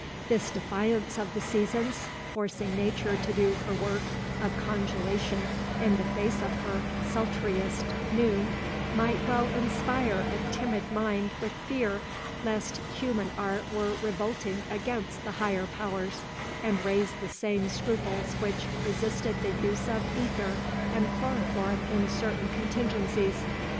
This defiance of the seasons, forcing Nature to do her work of congelation in the face of her sultriest noon, might well inspire a timid mind with fear lest human art were revolting against the Higher Powers, and raise the same scruples which resisted the use of ether and chloroform in certain contingencies.